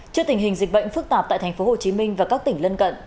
trước tình hình dịch bệnh phức tạp tại thành phố hồ chí minh và các tỉnh lân cận